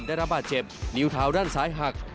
ได้รับบาดเจ็บนิ้วเท้าด้านซ้ายหัก